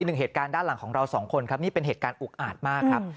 หนึ่งเหตุการณ์ด้านหลังของเราสองคนครับนี่เป็นเหตุการณ์อุกอาจมากครับ